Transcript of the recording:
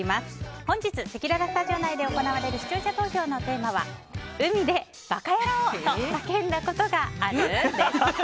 本日せきららスタジオ内で行われる視聴者投票のテーマは海でバカヤローと叫んだことがある？です。